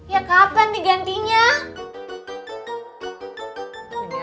ya kapan digantinya